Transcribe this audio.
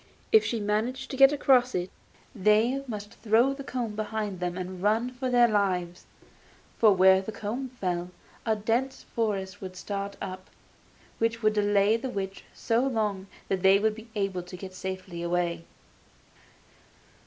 If she managed to get across it, they must throw the comb behind them and run for their lives, for where the comb fell a dense forest would start up, which would delay the witch so long that they would be able to get safely away.